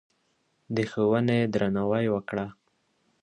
د ښوونې درناوی وکړه.